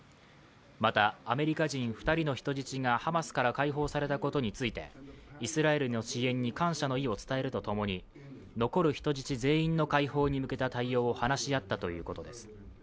また、アメリカ人２人の人質がハマスから解放されたことについてイスラエルの支援に感謝の意を伝えるとともに残る人質全員の解放に向けた対応を話し合ったとしています。